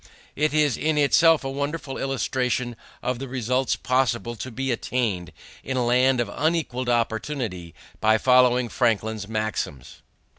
It is in itself a wonderful illustration of the results possible to be attained in a land of unequaled opportunity by following Franklin's maxims.